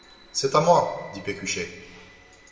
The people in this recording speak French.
C'est à moi ! dit Pécuchet.